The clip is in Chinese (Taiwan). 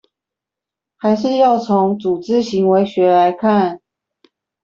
還是要從「組織行為學」來看